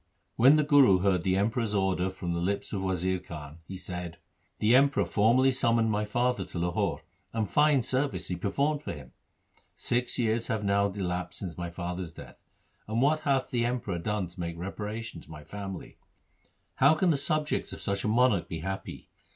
When the Guru heard the Emperor's order from the lips of Wazir Khan, he said, ' The Emperor formerly summoned my father to Lahore, and fine service he performed for him ! Six years have now elapsed since my father's death, and what hath the Emperor done to make reparation to my family ?' How can the subjects of such a monarch be happy